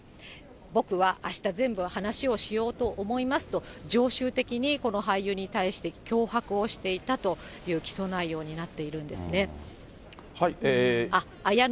僕はあした全部話をしようと思いますと、常習的にこの俳優に対して脅迫をしていたという起訴内容になっているんですね。